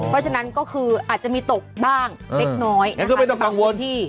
เพราะฉะนั้นก็คืออาจจะมีตกบ้างเล็กน้อยงั้นก็ไม่ต้องกังวลที่